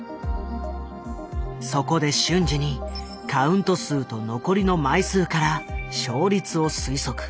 そこで瞬時にカウント数と残りの枚数から勝率を推測。